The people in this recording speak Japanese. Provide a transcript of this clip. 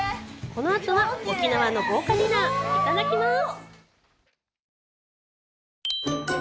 このあとは沖縄の豪華ディナーいただきます